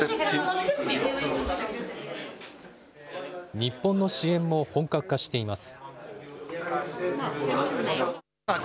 日本の支援も本格化しています。